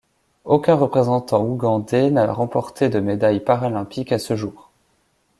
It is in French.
Aucun représentant ougandais n'a remporté de médaille paralympique à ce jour.